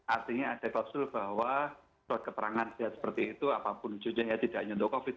artinya ada klausul bahwa surat keterangan seperti itu apapun juga ya tidak nyentuh covid sembilan belas